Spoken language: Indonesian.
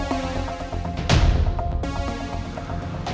makasih ya sayang